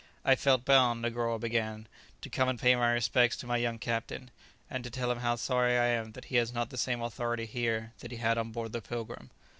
"I felt bound," Negoro began, "to come and pay my respects to my young captain, and to tell him how sorry I am that he has not the same authority here that he had on board the 'Pilgrim.'"